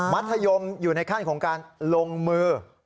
มัธยมอยู่ในขั้นของการลงมือ